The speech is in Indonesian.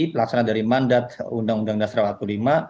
pelaksana dari mandat undang undang nasratulima